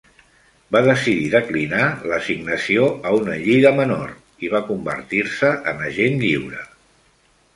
Va decidir declinar l'assignació a una lliga menor i va convertir-se en agent lliure.